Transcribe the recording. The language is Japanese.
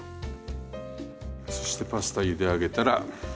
そしてパスタゆで上げたら。